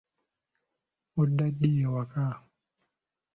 Odda ddi ewaka?